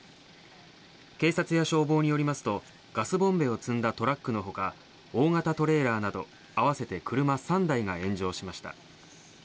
警察や消防によりますとガスボンベを積んだトラックのほか大型トレーラーなど合わせて車３台が炎上しました。